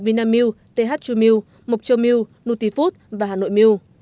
vinamilk th hai milk mộc châu milk nutifood và hà nội milk